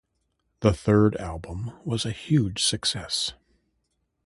The third album was a huge success.